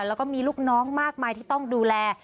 แล้วก็มีลูกน้องมากมายที่ต้องดูแล